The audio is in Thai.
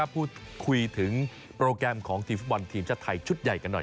พูดคุยถึงโปรแกรมของทีมฟุตบอลทีมชาติไทยชุดใหญ่กันหน่อย